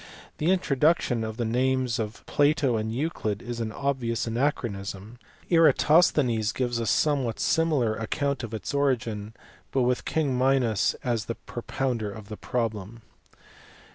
The introduction of the names of Plato and Euclid is an obvious anachronism. Eratosthenes gives a somewhat similar account of its origin, but with king Minos as the pro pounder of the problem.